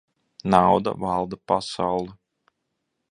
Nauda valda pasauli.